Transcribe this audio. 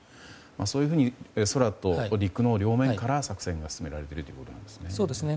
そういうふうに空と陸の両面から作戦が進められているということですね。